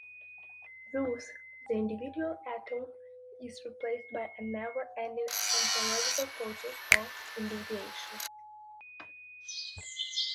Thus, the individual atom is replaced by a never-ending ontological process of individuation.